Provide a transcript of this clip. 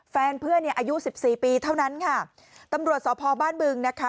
แฟนเพื่อนเนี่ยอายุสิบสี่ปีเท่านั้นค่ะตำรวจสพบ้านบึงนะคะ